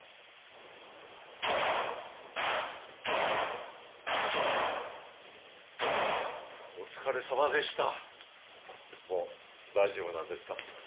もう大丈夫なんですか？